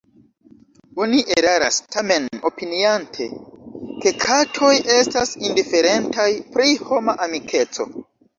Oni eraras tamen opiniante, ke katoj estas indiferentaj pri homa amikeco.